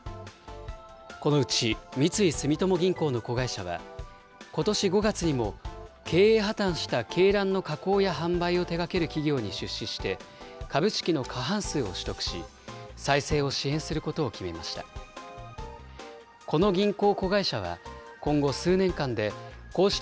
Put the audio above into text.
このうち三井住友銀行の子会社はことし５月にも経営破綻した鶏卵の加工や販売を手がける企業に出資して、株式の過半数を取得し、再生を支援することを決めました。